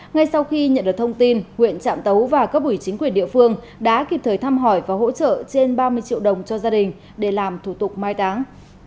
ngay sau khi nhận được thông tin huyện trạm tấu và cấp ủy chính quyền địa phương đã kịp thời thăm hỏi và hỗ trợ trên ba mươi triệu đồng cho gia đình để làm thủ tục mai táng